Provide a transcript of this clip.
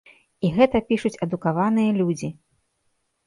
І гэта пішуць адукаваныя людзі.